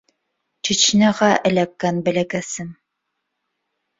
Чечняға эләккән бәләкәсем.